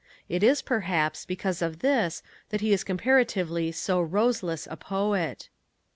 It is, perhaps, because of this that he is comparatively so roseless a poet.